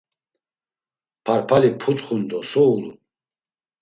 Parpali putxun do so ulun?